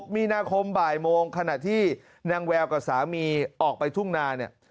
มีนาคมบ่ายโมงขณะที่นางแววกับสามีออกไปทุ่งนาเนี่ย